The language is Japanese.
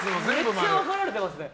めっちゃ分かられてますね。